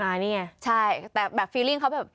อ่านี่ไงใช่แต่แบบความรู้สึกเขาแบบ